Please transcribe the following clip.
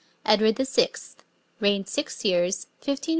EDWARD THE SIXTH Reigned six years: 1547 1553.